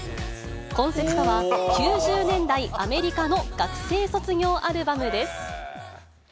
コンセプトは、９０年代アメリカの学生卒業アルバムです。